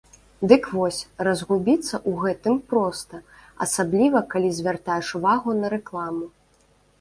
Дык вось, разгубіцца ў гэтым проста, асабліва калі звяртаеш увагу на рэкламу.